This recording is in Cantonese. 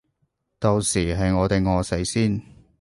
到時係我哋餓死先